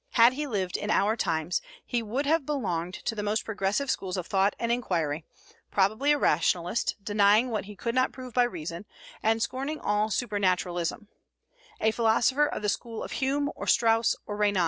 Had he lived in our times, he would have belonged to the most progressive schools of thought and inquiry, probably a rationalist, denying what he could not prove by reason, and scorning all supernaturalism; a philosopher of the school of Hume, or Strauss, or Renan.